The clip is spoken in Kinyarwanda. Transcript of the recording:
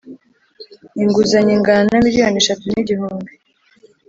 inguzanyo ingana na miliyoni eshatu n igihumbi